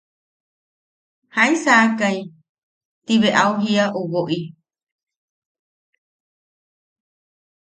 –¿Jaisaakai?– ti bea au jiia ju woʼi.